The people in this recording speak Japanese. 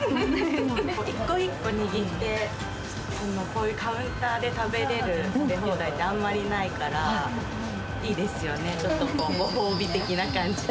一個一個握って、こういうカウンターで食べれる食べ放題ってあんまりないから、いいですよね、ちょっとご褒美的な感じで。